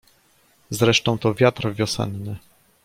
"Zresztą, to wiatr wiosenny."